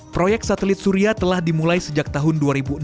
proyek satelit surya telah dimulai sejak tahun dua ribu enam belas